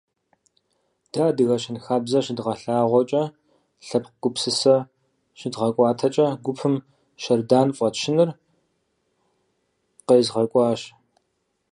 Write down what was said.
Дэ адыгэ щэнхабзэ щыдгъэлъагъуэкӀэ, лъэпкъ гупсысэ щыдгъэкӀуатэкӀэ, гупым «Щэрдан» фӀэтщыныр къезгъэкӀуащ.